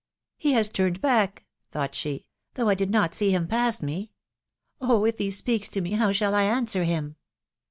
" He has turned back !" thpught she, " though I did not see him pass me. Oh ! if he speaks to me, how shall I answer him!"